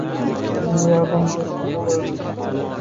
Menga yordam bering, — dedi u, —